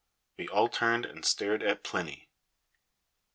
We all turned and stared at Plinny.